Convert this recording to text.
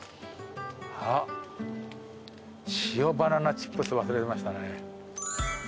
あっ塩バナナチップ忘れてましたね。